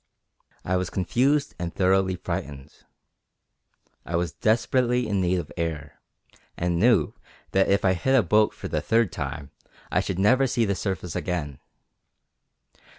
I was confused and thoroughly frightened. I was desperately in need of air, and knew that if I hit a boat for the third time I should never see the surface again.